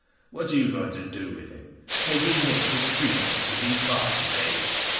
' What are you going to do with him ? Make him native Prefect of these marshes, eh ?